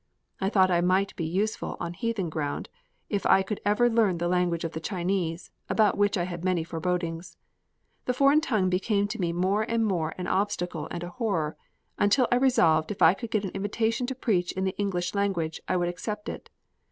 I thought I might be useful on heathen ground, if I could ever learn the language of the Chinese, about which I had many forebodings. The foreign tongue became to me more and more an obstacle and a horror, until I resolved if I could get an invitation to preach in the English language, I would accept it.